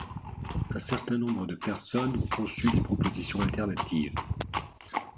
Un certain nombre de personnes ont conçu des propositions alternatives.